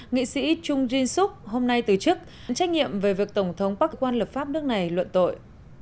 nghị sĩ trung jin suk hôm nay từ chức trách nhiệm về việc tổng thống park quan lập pháp nước này luận tội